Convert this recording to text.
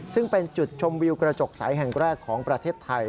ซึ่งเป็นจุดชมวิวกระจกใสแห่งแรกของประเทศไทย